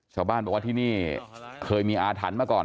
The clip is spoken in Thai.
ชาวบ้านบอกว่าที่นี่เคยมีอาถรรพ์มาก่อน